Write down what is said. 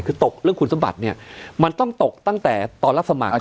คือตกเรื่องคุณสมบัติเนี่ยมันต้องตกตั้งแต่ตอนรับสมัคร